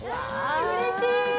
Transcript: うれしい！